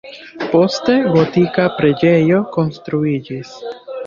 Poste gotika preĝejo konstruiĝis.